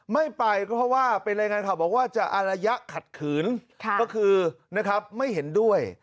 ไม่ไปเพราะว่าเป็นอะไรก็บอกว่าจะอารยะขัดขื้นถ้าไปก็คือนะครับไม่เห็นด้วย